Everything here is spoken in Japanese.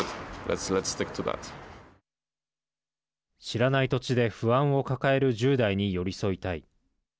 知らない土地で不安を抱える１０代に寄り添いたい。